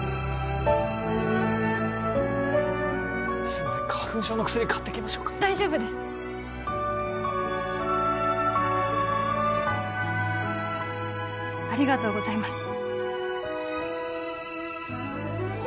すいません花粉症の薬買ってきましょうか大丈夫ですありがとうございます